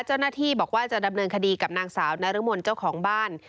เจ้าหน้าที่บอกว่าจะดำเนินคดีกับนางสาวนรมนเจ้าของบ้าน